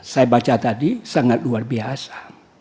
saya baca tadi sangat luar biasa